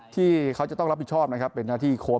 ที่เขาจะต้องรับผิดชอบนะครับเป็นหน้าที่โค้ช